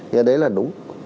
như đấy là đúng